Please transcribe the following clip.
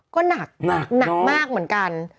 ก็หนักหนักมากเหมือนกัน